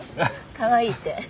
かわいいって。